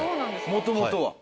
もともとは。